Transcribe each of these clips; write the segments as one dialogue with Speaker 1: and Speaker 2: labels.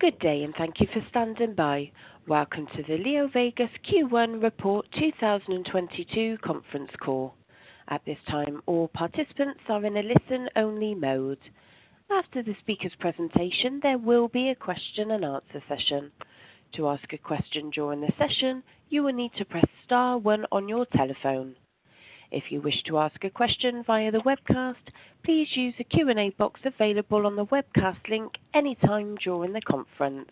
Speaker 1: Good day and thank you for standing by. Welcome to the LeoVegas Q1 2022 Report conference call. At this time, all participants are in a listen-only mode. After the speaker's presentation, there will be a question-and-answer session. To ask a question during the session, you will need to press star one on your telephone. If you wish to ask a question via the webcast, please use the Q&A box available on the webcast link any time during the conference.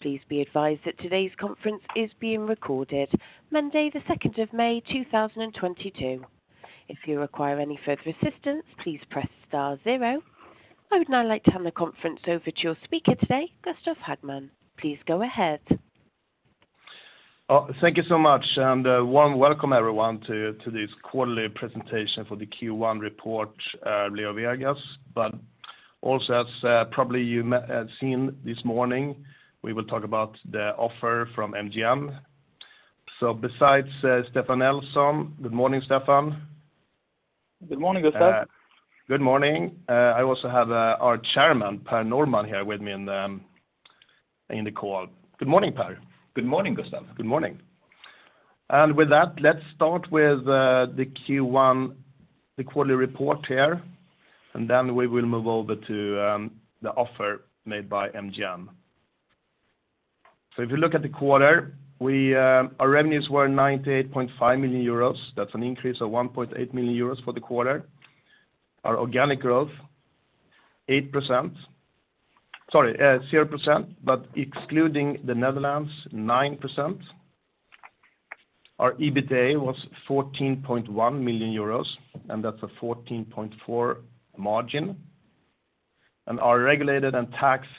Speaker 1: Please be advised that today's conference is being recorded, Monday, the 2nd of May 2022. If you require any further assistance, please press star zero. I would now like to turn the conference over to your speaker today, Gustaf Hagman. Please go ahead.
Speaker 2: Oh, thank you so much, and warm welcome everyone to this quarterly presentation for the Q1 report, LeoVegas. Also, as probably you have seen this morning, we will talk about the offer from MGM. Besides, Stefan Nelson. Good morning, Stefan.
Speaker 3: Good morning, Gustaf.
Speaker 2: Good morning. I also have our Chairman, Per Norman, here with me in the call. Good morning, Per.
Speaker 4: Good morning, Gustaf.
Speaker 2: Good morning. With that, let's start with the Q1, the quarterly report here, and then we will move over to the offer made by MGM. If you look at the quarter, we our revenues were 98.5 million euros. That's an increase of 1.8 million euros for the quarter. Our organic growth 8%. Sorry, 0%, but excluding the Netherlands, 9%. Our EBITDA was 14.1 million euros, and that's a 14.4% margin. Our regulated and taxed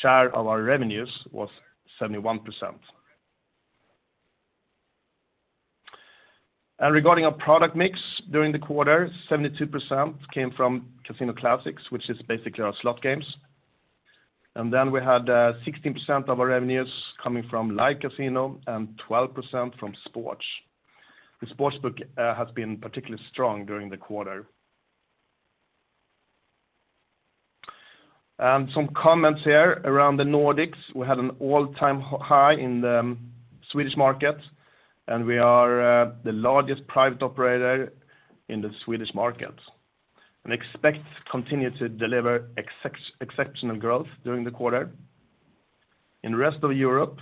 Speaker 2: share of our revenues was 71%. Regarding our product mix during the quarter, 72% came from casino classics, which is basically our slot games. Then we had 16% of our revenues coming from live casino and 12% from sports. The sportsbook has been particularly strong during the quarter. Some comments here around the Nordics. We had an all-time high in the Swedish market, and we are the largest private operator in the Swedish market, and expect to continue to deliver exceptional growth during the quarter. In the rest of Europe,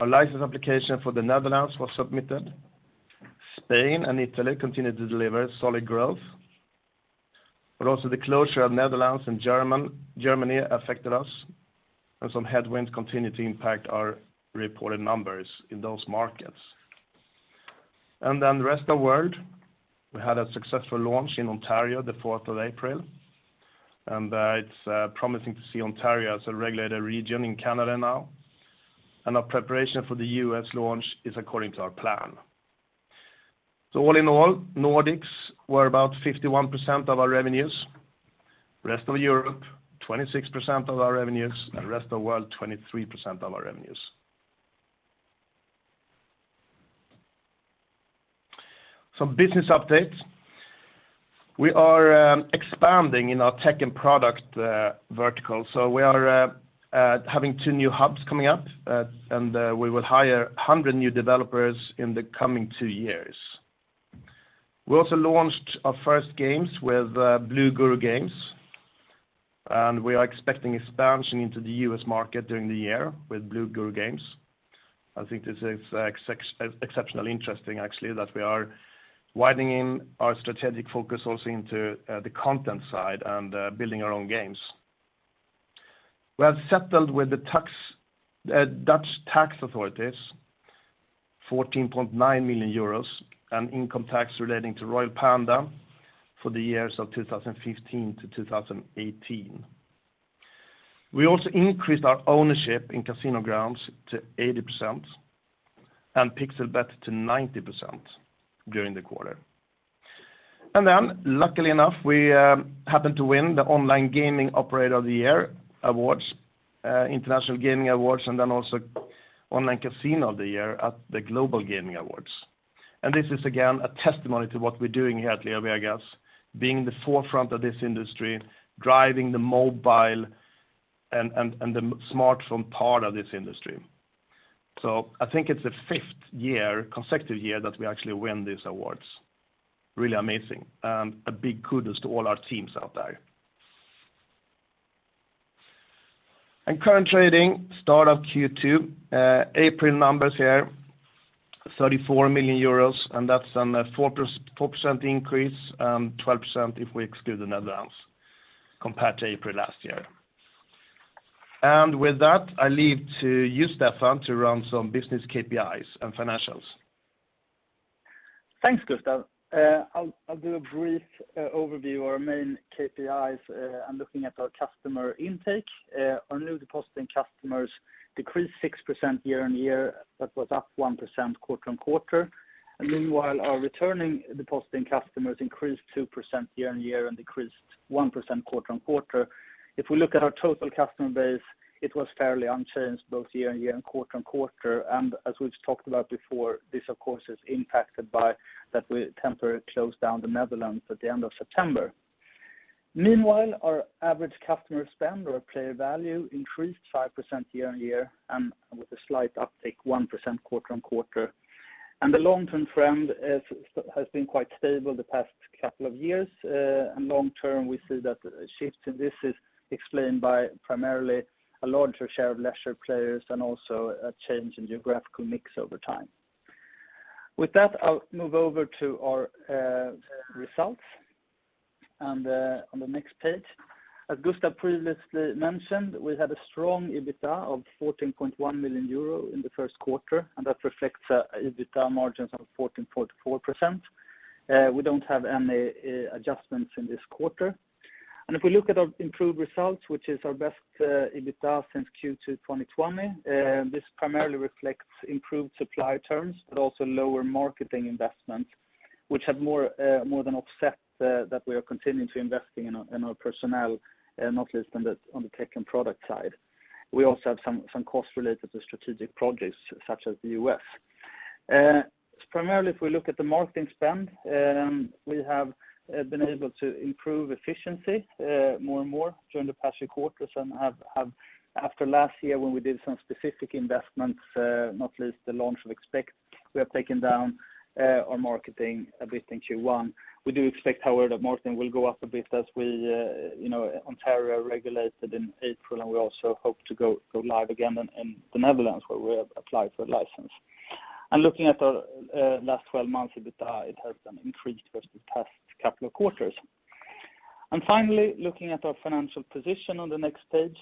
Speaker 2: our license application for the Netherlands was submitted. Spain and Italy continued to deliver solid growth, but also the closure of Netherlands and Germany affected us, and some headwinds continued to impact our reported numbers in those markets. The rest of world, we had a successful launch in Ontario the fourth of April, and it's promising to see Ontario as a regulated region in Canada now. Our preparation for the U.S. launch is according to our plan. All in all, Nordics were about 51% of our revenues, rest of Europe 26% of our revenues, and rest of world 23% of our revenues. Some business updates. We are expanding in our tech and product vertical. We are having two new hubs coming up, and we will hire 100 new developers in the coming two years. We also launched our first games with Blue Guru Games, and we are expecting expansion into the US market during the year with Blue Guru Games. I think this is exceptionally interesting actually that we are widening our strategic focus also into the content side and building our own games. We have settled with the Dutch tax authorities 14.9 million euros and income tax relating to Royal Panda for the years of 2015 to 2018. We also increased our ownership in CasinoGrounds to 80% and Pixel.bet to 90% during the quarter. Luckily enough, we happened to win the Online Gaming Operator of the Year awards, International Gaming Awards, and then also Online Casino of the Year at the Global Gaming Awards. This is again a testimony to what we're doing here at LeoVegas, being the forefront of this industry, driving the mobile and the smartphone part of this industry. I think it's the fifth consecutive year that we actually win these awards. Really amazing. A big kudos to all our teams out there. Current trading start of Q2, April numbers here, 34 million euros, and that's on a 4% increase, 12% if we exclude the Netherlands compared to April last year. With that, I leave to you, Stefan, to run some business KPIs and financials.
Speaker 3: Thanks, Gustaf. I'll do a brief overview. Our main KPIs and looking at our customer intake, our new depositing customers decreased 6% year-on-year, but was up 1% quarter-on-quarter. Meanwhile, our returning depositing customers increased 2% year-on-year and decreased 1% quarter-on-quarter. If we look at our total customer base, it was fairly unchanged both year-on-year and quarter-on-quarter. As we've talked about before, this of course is impacted by that we temporarily closed down the Netherlands at the end of September. Meanwhile, our average customer spend or player value increased 5% year-on-year and with a slight uptick 1% quarter-on-quarter. The long-term trend has been quite stable the past couple of years. Long-term, we see that a shift in this is explained by primarily a larger share of leisure players and also a change in geographical mix over time. With that, I'll move over to our results on the next page. As Gustaf previously mentioned, we had a strong EBITDA of 14.1 million euro in the Q1, and that reflects an EBITDA margin of 14.4%. We don't have any adjustments in this quarter. If we look at our improved results, which is our best EBITDA since Q2 2020, this primarily reflects improved supply terms but also lower marketing investments, which have more than offset that we are continuing to invest in our personnel, not least on the tech and product side. We also have some costs related to strategic projects such as the U.S. Primarily, if we look at the marketing spend, we have been able to improve efficiency more and more during the past few quarters and after last year when we did some specific investments, not least the launch of Expekt, we have taken down our marketing a bit in Q1. We do expect, however, that marketing will go up a bit as we, you know, Ontario regulated in April, and we also hope to go live again in the Netherlands, where we have applied for a license. Looking at our last twelve months EBITDA, it has increased versus the past couple of quarters. Finally, looking at our financial position on the next page,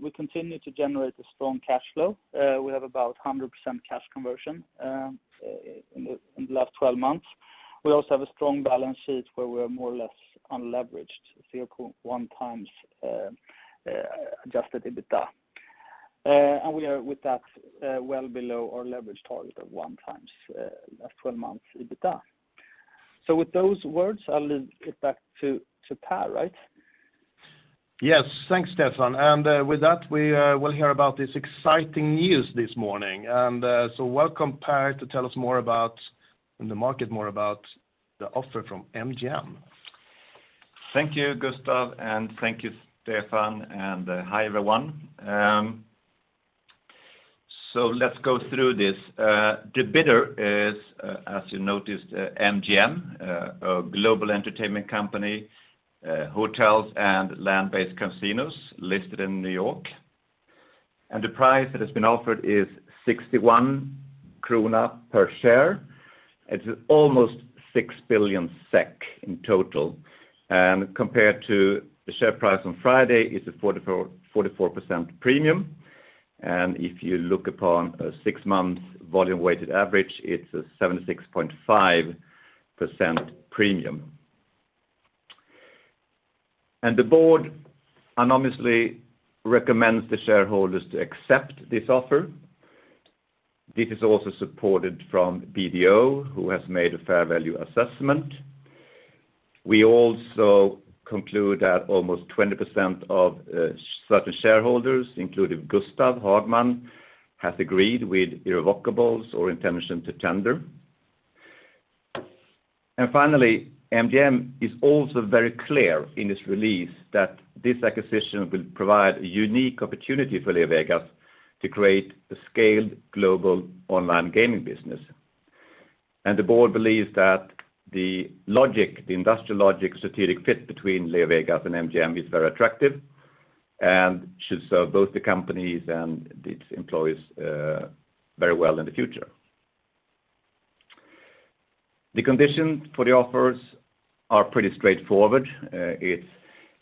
Speaker 3: we continue to generate a strong cash flow. We have about 100% cash conversion in the last 12 months. We also have a strong balance sheet where we are more or less unleveraged, say, 1x adjusted EBITDA. We are with that well below our leverage target of 1x last 12 months EBITDA. With those words, I'll get back to Per, right?
Speaker 2: Yes. Thanks, Stefan. With that, we will hear about this exciting news this morning. Welcome, Per, to tell us more about, and the market more about the offer from MGM.
Speaker 4: Thank you, Gustaf, and thank you, Stefan, and hi, everyone. Let's go through this. The bidder is, as you noticed, MGM, a global entertainment company, hotels and land-based casinos listed in New York. The price that has been offered is 61 krona per share. It's almost 6 billion SEK in total. Compared to the share price on Friday, it's a 44% premium. If you look upon a six-month volume weighted average, it's a 76.5% premium. The board unanimously recommends the shareholders to accept this offer. This is also supported from BDO, who has made a fair value assessment. We also conclude that almost 20% of certain shareholders, including Gustaf Hagman, have agreed with irrevocables or intention to tender. Finally, MGM is also very clear in its release that this acquisition will provide a unique opportunity for LeoVegas to create a scaled global online gaming business. The board believes that the logic, the industrial logic strategic fit between LeoVegas and MGM is very attractive and should serve both the companies and its employees very well in the future. The conditions for the offers are pretty straightforward. It's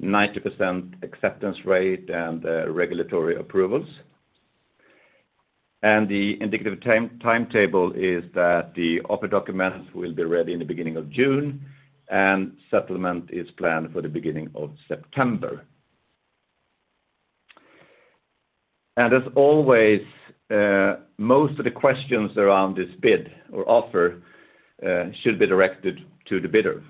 Speaker 4: 90% acceptance rate and regulatory approvals. The indicative timetable is that the offer documents will be ready in the beginning of June, and settlement is planned for the beginning of September. As always, most of the questions around this bid or offer should be directed to the bidder.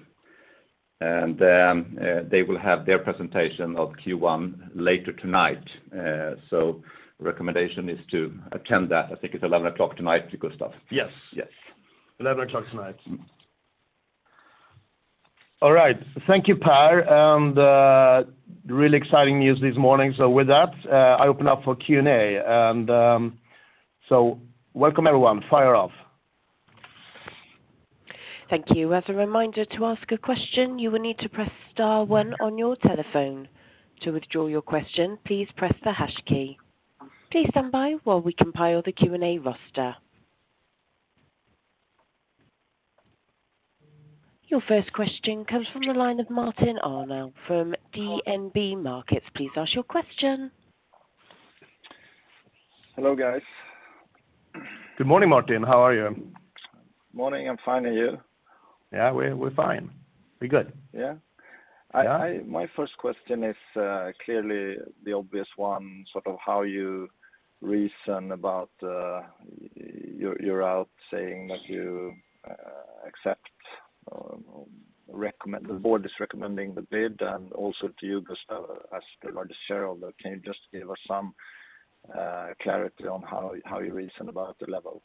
Speaker 4: They will have their presentation of Q1 later tonight. Recommendation is to attend that. I think it's 11:00 P.M. tonight, Gustaf.
Speaker 2: Yes.
Speaker 4: Yes.
Speaker 2: 11:00 P.M. tonight. All right. Thank you, Per. Really exciting news this morning. With that, I open up for Q&A. Welcome, everyone. Fire off.
Speaker 1: Thank you. As a reminder, to ask a question, you will need to press star one on your telephone. To withdraw your question, please press the hash key. Please stand by while we compile the Q&A roster. Your first question comes from the line of Martin Arnell from DNB Markets. Please ask your question.
Speaker 5: Hello, guys.
Speaker 2: Good morning, Martin. How are you?
Speaker 5: Morning. I'm fine. You?
Speaker 2: Yeah, we're fine. We're good.
Speaker 5: Yeah?
Speaker 2: Yeah.
Speaker 5: My first question is clearly the obvious one, sort of how you reason about you're out saying that you accept or recommend.
Speaker 2: Mm-hmm.
Speaker 5: The board is recommending the bid, and also to you, Gustaf, as the largest shareholder. Can you just give us some clarity on how you reason about the level?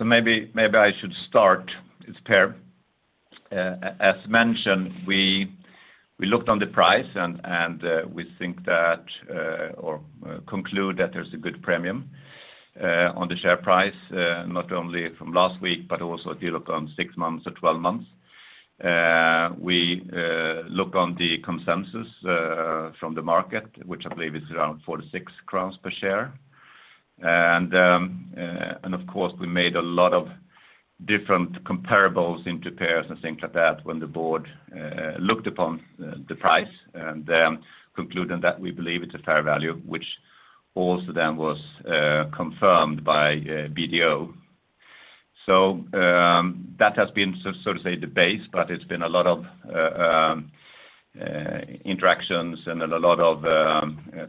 Speaker 4: Maybe I should start. It's Per. As mentioned, we looked on the price and we think that or conclude that there's a good premium on the share price, not only from last week but also if you look on six months or 12 months. We look on the consensus from the market, which I believe is around SEK four to six per share. Of course, we made a lot of different comparables and peers and things like that when the board looked upon the price and then concluded that we believe it's a fair value, which also then was confirmed by BDO. that has been so to say the base, but it's been a lot of interactions and a lot of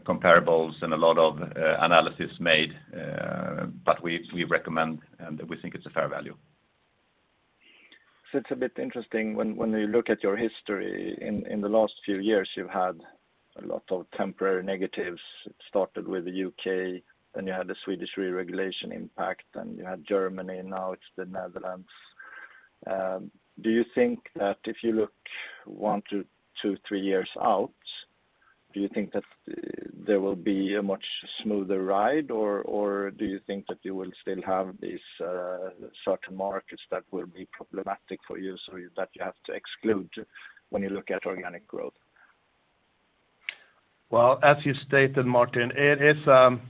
Speaker 4: comparables and a lot of analysis made, but we recommend, and we think it's a fair value.
Speaker 5: It's a bit interesting when you look at your history in the last few years you've had a lot of temporary negatives. It started with the UK, then you had the Swedish re-regulation impact, then you had Germany, now it's the Netherlands. Do you think that if you look one to two, three years out, do you think that there will be a much smoother ride, or do you think that you will still have these certain markets that will be problematic for you so that you have to exclude when you look at organic growth?
Speaker 2: Well, as you stated, Martin, it is an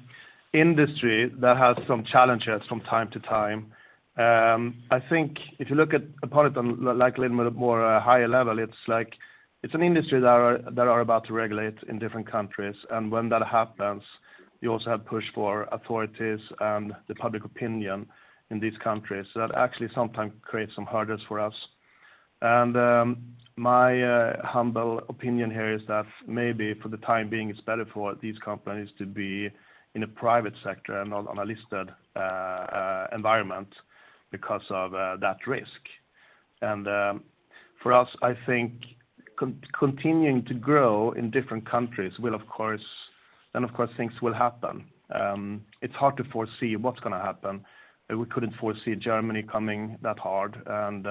Speaker 2: industry that has some challenges from time to time. I think if you look at a part of them like at a higher level, it's like it's an industry that are about to regulate in different countries. When that happens, you also have pushback from authorities and the public opinion in these countries. That actually sometimes creates some hurdles for us. My humble opinion here is that maybe for the time being, it's better for these companies to be in a private sector and not on a listed environment because of that risk. For us, I think continuing to grow in different countries will of course, then of course things will happen. It's hard to foresee what's gonna happen. We couldn't foresee Germany coming that hard, and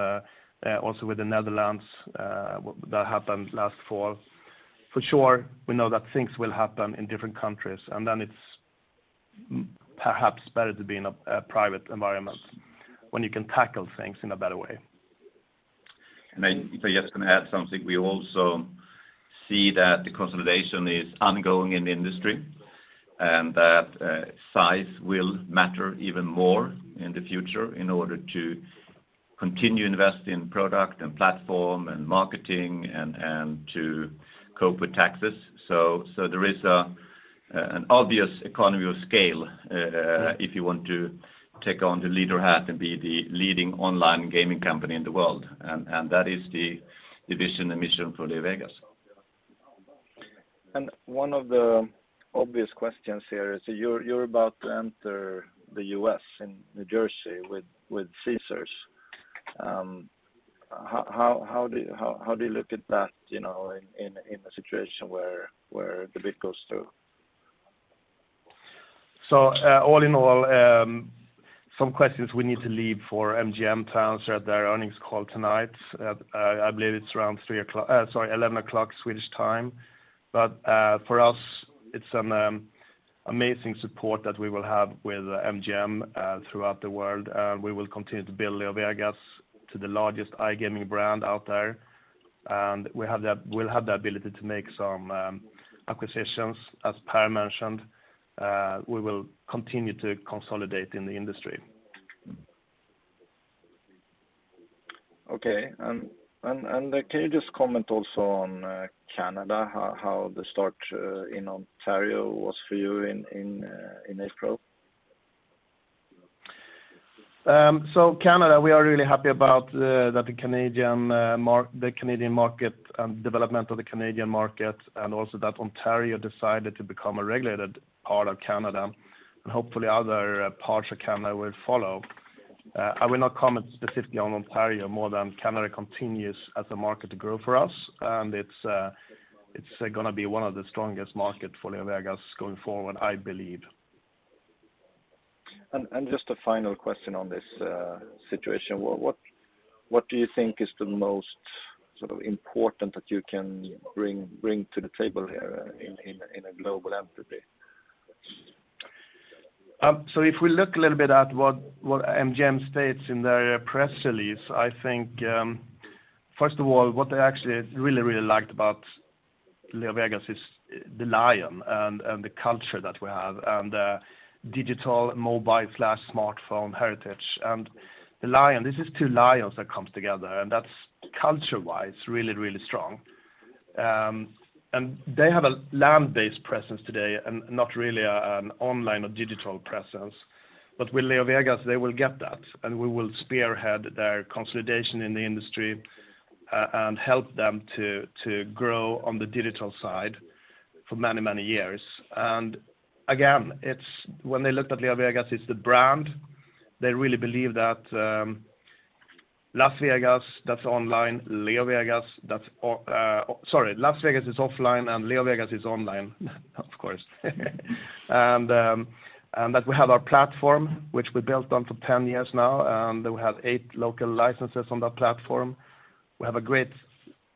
Speaker 2: also with the Netherlands, that happened last fall. For sure, we know that things will happen in different countries, and then it's perhaps better to be in a private environment when you can tackle things in a better way.
Speaker 4: If I just can add something, we also see that the consolidation is ongoing in the industry, and that size will matter even more in the future in order to continue investing in product and platform and marketing and to cope with taxes. There is an obvious economy of scale if you want to take on the leader hat and be the leading online gaming company in the world. That is the vision and mission for LeoVegas.
Speaker 5: One of the obvious questions here is you're about to enter the U.S. in New Jersey with Caesars. How do you look at that, you know, in a situation where the bid goes through?
Speaker 2: All in all, some questions we need to leave for MGM to answer at their earnings call tonight. I believe it's around eleven o'clock Swedish time. For us, it's an amazing support that we will have with MGM throughout the world. We will continue to build LeoVegas to the largest iGaming brand out there. We'll have the ability to make some acquisitions, as Per mentioned. We will continue to consolidate in the industry.
Speaker 5: Okay. Can you just comment also on Canada, how the start in Ontario was for you in April?
Speaker 2: Canada, we are really happy about that the Canadian market development of the Canadian market and also that Ontario decided to become a regulated part of Canada, and hopefully other parts of Canada will follow. I will not comment specifically on Ontario more than Canada continues as a market to grow for us, and it's gonna be one of the strongest market for LeoVegas going forward, I believe.
Speaker 5: Just a final question on this situation. What do you think is the most sort of important that you can bring to the table here in a global entity?
Speaker 2: If we look a little bit at what MGM states in their press release, I think, first of all, what they actually really, really liked about LeoVegas is the lion and the culture that we have and the digital mobile/smartphone heritage. The lion, this is two lions that comes together, and that's culture-wise really, really strong. They have a land-based presence today and not really an online or digital presence. With LeoVegas, they will get that, and we will spearhead their consolidation in the industry and help them to grow on the digital side for many, many years. Again, it's when they looked at LeoVegas, it's the brand. They really believe that Las Vegas is offline and LeoVegas is online, of course. That we have our platform, which we built over ten years now, and that we have eight local licenses on that platform. We have a great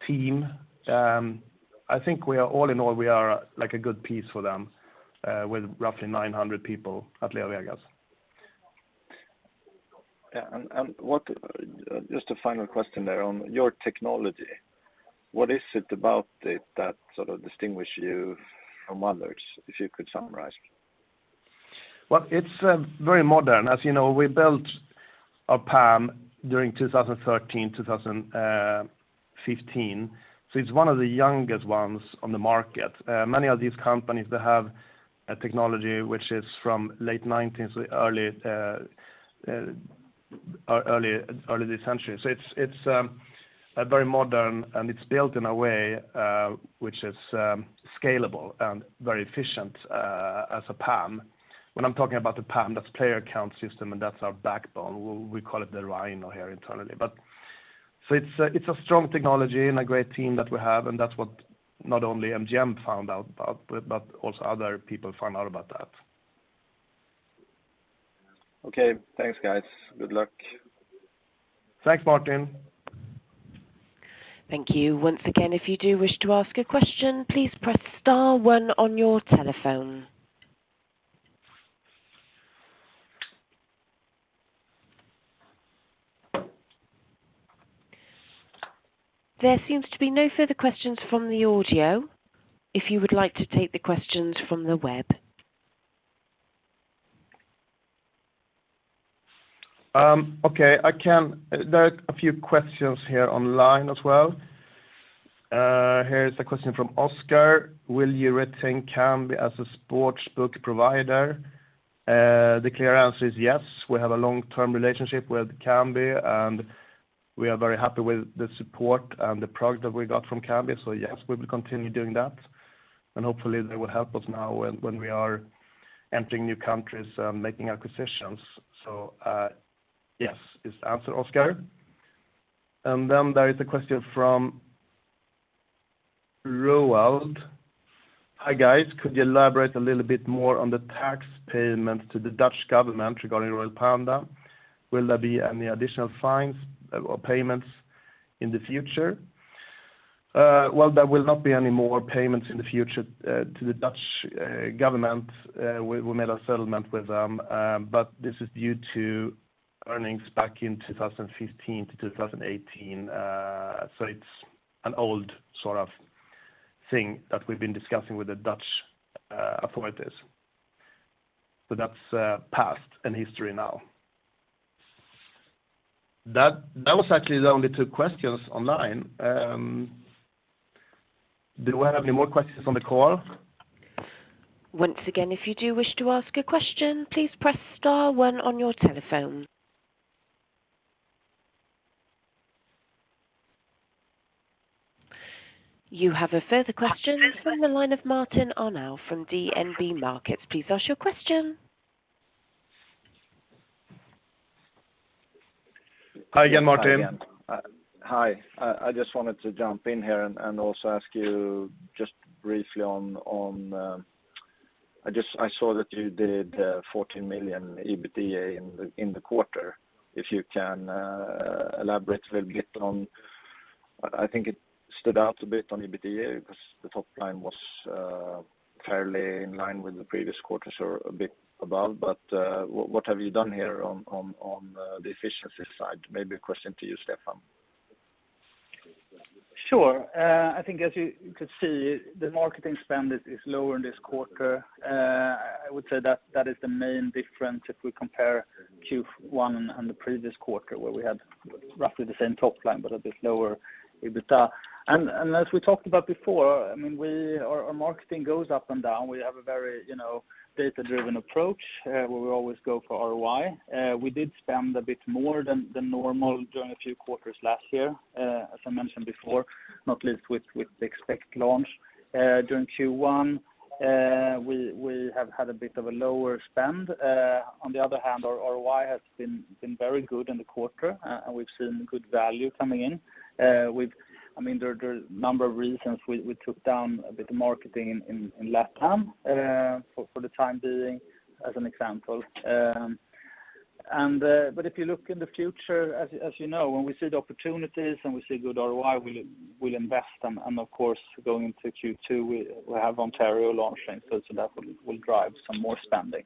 Speaker 2: team. I think all in all, we are, like, a good piece for them, with roughly 900 people at LeoVegas.
Speaker 5: Yeah. What, just a final question there on your technology. What is it about it that sort of distinguish you from others, if you could summarize?
Speaker 2: Well, it's very modern. As you know, we built our PAM during 2013-2015, so it's one of the youngest ones on the market. Many of these companies that have a technology which is from late 90s to early this century. It's a very modern and it's built in a way which is scalable and very efficient as a PAM. When I'm talking about the PAM, that's player account system, and that's our backbone. We call it the Rhino here internally. It's a strong technology and a great team that we have, and that's what not only MGM found out about, but also other people found out about that.
Speaker 5: Okay. Thanks, guys. Good luck.
Speaker 2: Thanks, Martin.
Speaker 1: Thank you. Once again, if you do wish to ask a question, please press star one on your telephone. There seems to be no further questions from the audio. If you would like to take the questions from the web.
Speaker 2: Okay. There are a few questions here online as well. Here is a question from Oscar. Will you retain Kambi as a sportsbook provider? The clear answer is yes. We have a long-term relationship with Kambi, and we are very happy with the support and the product that we got from Kambi. Yes, we will continue doing that. Hopefully they will help us now when we are entering new countries, making acquisitions. Yes is the answer, Oscar. Then there is a question from Roald. Hi, guys. Could you elaborate a little bit more on the tax payment to the Dutch government regarding Royal Panda? Will there be any additional fines or payments in the future? Well, there will not be any more payments in the future to the Dutch government. We made a settlement with them, but this is due to earnings back in 2015-2018. It's an old sort of thing that we've been discussing with the Dutch authorities. That's past and history now. That was actually the only two questions online. Do I have any more questions on the call?
Speaker 1: Once again, if you do wish to ask a question, please press star one on your telephone. You have a further question from the line of Martin Arnell from DNB Markets. Please ask your question.
Speaker 2: Hi again, Martin Arnell.
Speaker 5: Hi again. Hi. I just wanted to jump in here and also ask you just briefly on, I just saw that you did 14 million EBITDA in the quarter. If you can elaborate a little bit on, I think it stood out a bit on EBITDA because the top line was fairly in line with the previous quarters or a bit above. What have you done here on the efficiency side? Maybe a question to you, Stefan.
Speaker 3: Sure. I think as you could see, the marketing spend is lower in this quarter. I would say that is the main difference if we compare Q1 and the previous quarter where we had roughly the same top line but a bit lower EBITDA. As we talked about before, I mean, our marketing goes up and down. We have a very, you know, data-driven approach, where we always go for ROI. We did spend a bit more than normal during a few quarters last year, as I mentioned before, not least with the Expekt launch. During Q1, we have had a bit of a lower spend. On the other hand, our ROI has been very good in the quarter, and we've seen good value coming in. I mean, there are a number of reasons we took down a bit of marketing in LATAM for the time being, as an example. If you look in the future, as you know, when we see the opportunities and we see good ROI, we'll invest. Of course, going into Q2, we have Ontario launching, so that will drive some more spending.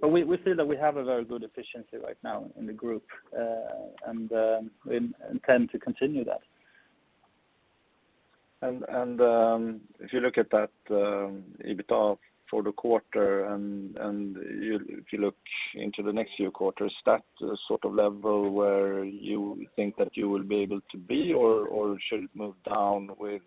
Speaker 3: We feel that we have a very good efficiency right now in the group, and we intend to continue that.
Speaker 5: If you look at that EBITDA for the quarter and if you look into the next few quarters, that sort of level where you think that you will be able to be or should it move down with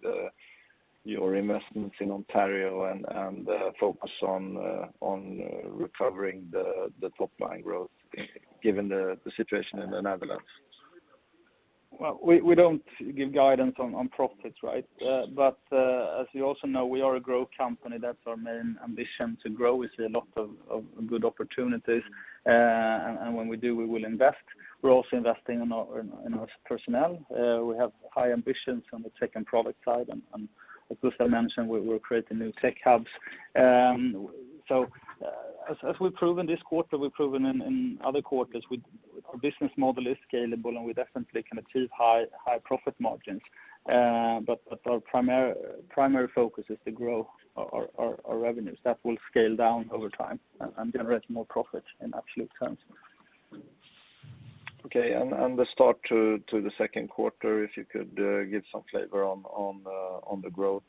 Speaker 5: your investments in Ontario and focus on recovering the top line growth given the situation in the Netherlands?
Speaker 3: Well, we don't give guidance on profits, right? As you also know, we are a growth company. That's our main ambition, to grow. We see a lot of good opportunities. When we do, we will invest. We're also investing in our personnel. We have high ambitions on the tech and product side. As Gustaf mentioned, we're creating new tech hubs. We've proven this quarter, we've proven in other quarters with our business model is scalable, and we definitely can achieve high profit margins. Our primary focus is to grow our revenues. That will scale down over time and generate more profit in absolute terms.
Speaker 2: Okay. The start to the Q2, if you could, give some flavor on the growth?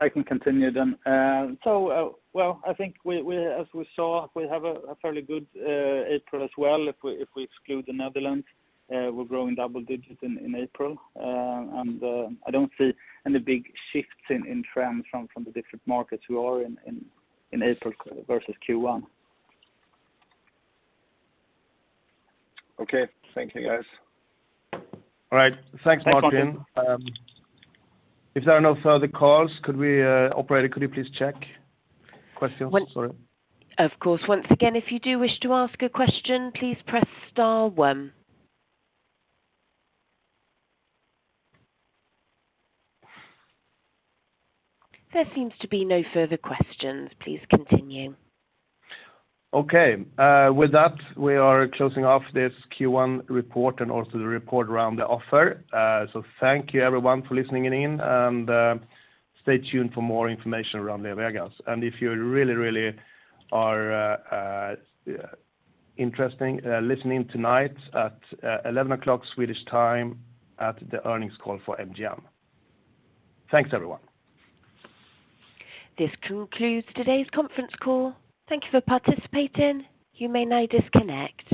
Speaker 3: I can continue then. I think as we saw, we have a fairly good April as well. If we exclude the Netherlands, we're growing double digits in April. I don't see any big shifts in trends from the different markets we are in in April versus Q1.
Speaker 2: Okay. Thank you, guys.
Speaker 3: All right.
Speaker 2: Thanks, Martin. If there are no further calls, operator, could you please check questions? Sorry.
Speaker 1: Of course. Once again, if you do wish to ask a question, please press star one. There seems to be no further questions. Please continue.
Speaker 2: Okay. With that, we are closing off this Q1 report and also the report around the offer. Thank you everyone for listening in and stay tuned for more information around the LeoVegas. If you really are interested listening tonight at 11:00 P.M. Swedish time at the earnings call for MGM. Thanks, everyone.
Speaker 1: This concludes today's conference call. Thank you for participating. You may now disconnect.